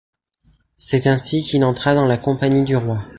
C'est ainsi qu'il entra dans la compagnie du roi.